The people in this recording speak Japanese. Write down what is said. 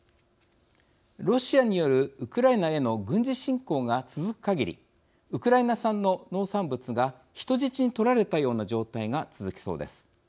ロシアによるウクライナへの軍事侵攻が続くかぎりウクライナ産の農産物が人質に取られたような状態が続きそうです。